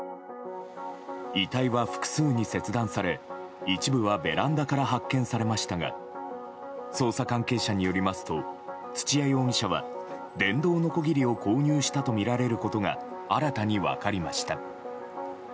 遺体は複数に切断され、一部はベランダから発見されましたが捜査関係者によりますと土屋容疑者は電動のこぎりを購入したとみられることが新たに分かりました。